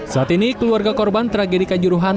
saat ini keluarga korban tragedi kanjuruhan